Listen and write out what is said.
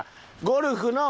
ゴルフの。